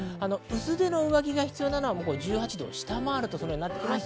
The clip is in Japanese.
薄手の上着が必要なのは１８度を下回るという季節です。